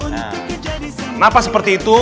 kenapa seperti itu